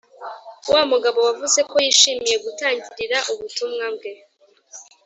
wamugabo wavuze ko yishimiye gutangirira ubutumwa bwe